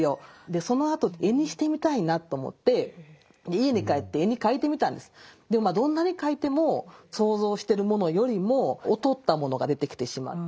でそのあと絵にしてみたいなと思ってでもどんなに描いても想像してるものよりも劣ったものが出てきてしまう。